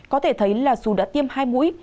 có thể thấy là dù đã tiêm hai mũi